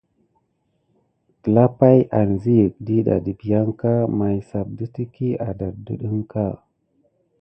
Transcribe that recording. Telapay anziyek diɗɑ dəbiyanka may sap də teky adaddəɗ əŋka.